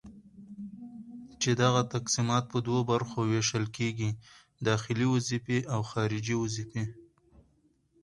چي دغه تقسيمات پر دوو برخو ويشل کيږي:داخلي وظيفي او خارجي وظيفي